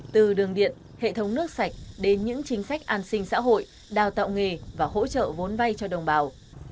từ đường điện hệ thống nước sạch đến những chính sách an sinh xã hội đào tạo nghề và hỗ trợ vốn vay cho đồng bào